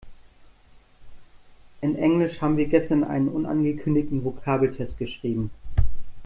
In Englisch haben wir gestern einen unangekündigten Vokabeltest geschrieben.